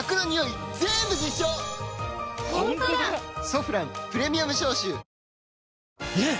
「ソフランプレミアム消臭」ねえ‼